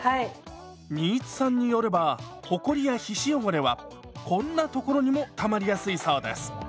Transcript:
新津さんによればほこりや皮脂汚れはこんな所にもたまりやすいそうです。